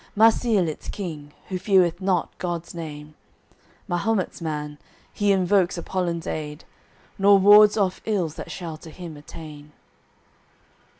Marsile its King, who feareth not God's name, Mahumet's man, he invokes Apollin's aid, Nor wards off ills that shall to him attain.